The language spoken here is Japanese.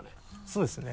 そうですね